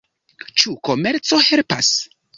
Ĉu komerco helpas?